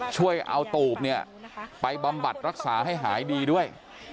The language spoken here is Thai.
ช่วยเอาตูบเนี่ยไปบำบัดรักษาให้หายดีด้วย